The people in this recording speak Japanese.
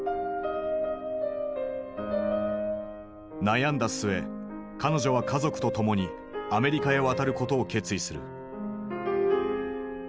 悩んだ末彼女は家族と共にアメリカへ渡ることを決意する。